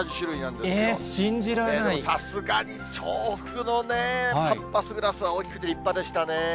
でもさすがに調布のね、パンパスグラスは大きくて立派でしたね。